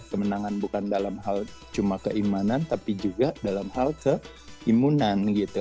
kemenangan bukan dalam hal cuma keimanan tapi juga dalam hal keimunan gitu